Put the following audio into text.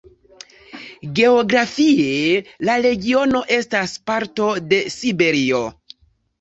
Geografie la regiono estas parto de Siberio.